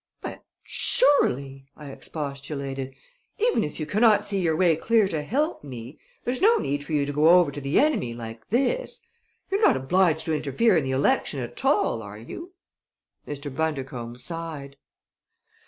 "But surely," I expostulated, "even if you cannot see your way clear to help me, there's no need for you to go over to the enemy like this! You're not obliged to interfere in the election at all, are you?" Mr. Bundercombe sighed.